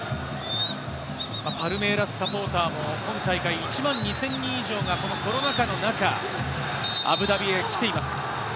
パルメイラスサポーターも今大会、１万２０００人以上がこのコロナ禍の中、アブダビへ来ています。